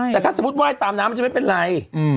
แต่ถ้าสมมุติว่ายตามน้ำมันจะไม่เป็นไร